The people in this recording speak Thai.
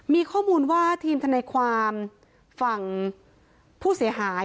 มีข้อมูลว่าทีมทนายความฝั่งผู้เสียหาย